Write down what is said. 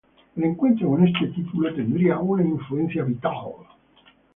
El encuentro con este título tendría una influencia vital.